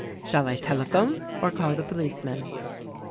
Shall I telephone, or call the policeman?"'